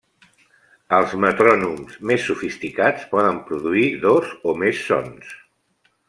Els metrònoms més sofisticats poden produir dos o més sons.